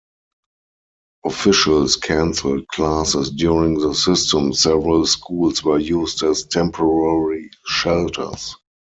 Officials canceled classes during the system; several schools were used as temporary shelters.